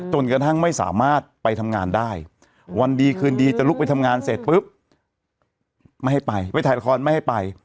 จนกระทั่งไม่สามารถไปทำงานได้วันดีคืนดีจะลุกไปทำงานเสร็จปุ๊บไม่ให้ไปไปถ่ายละครไม่ให้ไป